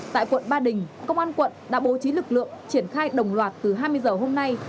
tại quận ba đình công an quận đã bố trí lực lượng triển khai đồng loạt từ hai mươi h hôm nay